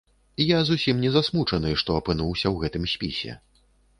Я зусім не засмучаны, што апынуўся ў гэтым спісе.